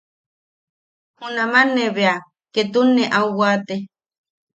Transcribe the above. Junam ne bea ketun ne au waate.